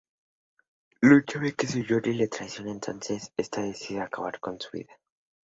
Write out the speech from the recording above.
Lucha ve que su Johnny le traiciona entonces esta decide acabar con su vida.